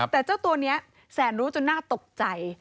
แต่เจ้าตัวนี้แสนรู้จนน่าตกใจ